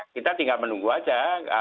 kita tinggal menunggu aja